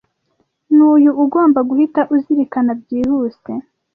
Nuyu ugomba guhita uzirikana byihuse